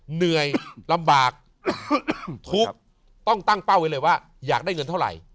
เหนื่อยลำบากทุกข์ต้องตั้งเป้าไว้เลยว่าอยากได้เงินเท่าไหร่